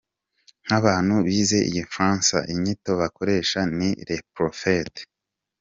Nk’abantu bize igifaransa inyito bakoresheje ni “le prophete”.